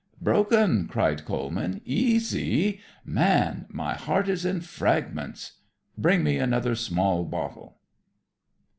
"Broken!" cried Coleman. "Easy? Man, my heart is in fragments. Bring me another small bottle."